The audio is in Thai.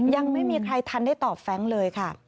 ยังไม่มีใครทันได้ตอบแฟรงค์เลยค่ะ